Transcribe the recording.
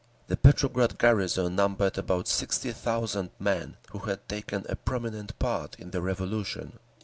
The Petrograd garrison numbered about sixty thousand men, who had taken a prominent part in the Revolution.